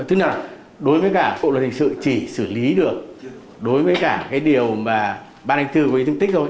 tức là đối với cả bộ luật hình sự chỉ xử lý được đối với cả cái điều mà ba trăm linh bốn có ý chứng tích rồi